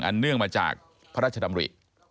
เนื่องมาจากพระราชดำริ